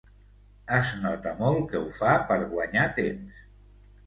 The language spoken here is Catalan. Es nota molt que ho fa per guanyar temps.